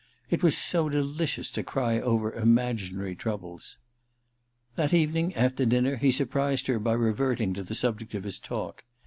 It was so delicious to cry over imaginary troubles ! That evening, after dinner, he surprised her by reverting to the subject of his talk.